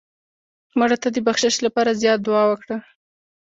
مړه ته د بخشش لپاره زیات دعا وکړه